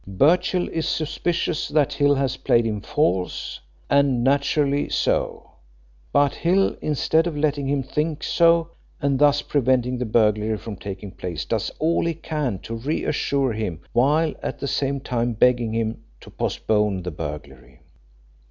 Birchill is suspicious that Hill has played him false, and naturally so, but Hill, instead of letting him think so, and thus preventing the burglary from taking place, does all he can to reassure him, while at the same time begging him to postpone the burglary.